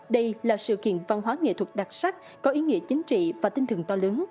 đây là sự kiện văn hóa nghệ thuật đặc sắc có ý nghĩa chính trị và tinh thường to lớn